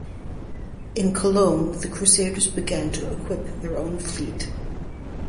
In Cologne the crusaders began to equip their own fleet.